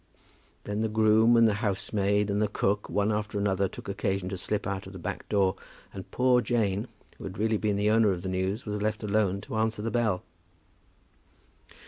Then the groom and the housemaid and the cook, one after another, took occasion to slip out of the back door, and poor Jane, who had really been the owner of the news, was left alone to answer the bell.